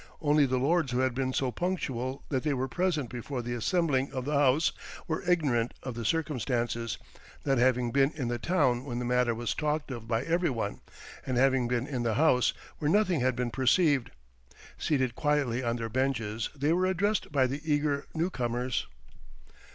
Only the lords who had been so punctual that they were present before the assembling of the House were ignorant of the circumstances, not having been in the town when the matter was talked of by every one, and having been in the House, where nothing had been perceived. Seated quietly on their benches, they were addressed by the eager newcomers.